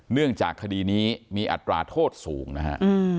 เนื่องจากคดีนี้มีอัตราโทษสูงนะฮะ